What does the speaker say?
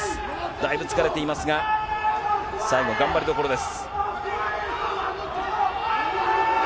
だいぶ疲れていますが、最後頑張りどころです。